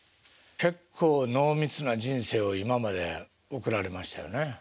結構濃密な人生を今まで送られましたよね。